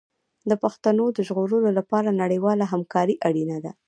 د پښتو د ژغورلو لپاره نړیواله همکاري اړینه ده.